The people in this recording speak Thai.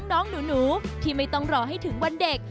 น้องหนูที่ไม่ต้องรอให้ถึงวันเด็ก